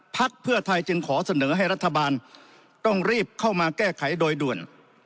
พักเพื่อไทยจึงขอเสนอให้รัฐบาลต้องรีบเข้ามาแก้ไขโดยด่วน